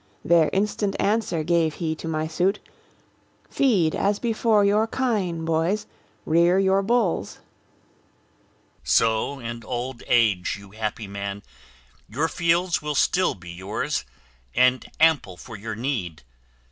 There instant answer gave he to my suit, "Feed, as before, your kine, boys, rear your bulls." MELIBOEUS So in old age, you happy man, your fields Will still be yours, and ample for your need!